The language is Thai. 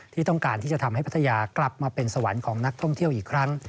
ที่ต้องการที่จะทำให้พัทยากลับมาเป็นสวรรค์ของนักท่องเที่ยวอีกครั้ง